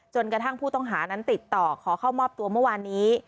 กระทั่งผู้ต้องหานั้นติดต่อขอเข้ามอบตัวเมื่อวานนี้